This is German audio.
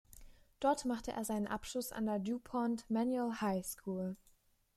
Dort machte er seinen Abschluss an der Du Pont Manuel High School.